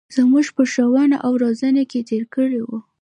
زمـوږ په ښـوونه او روزنـه کـې تېـر کـړى و.